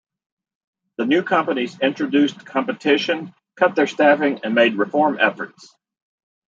The new companies introduced competition, cut their staffing, and made reform efforts.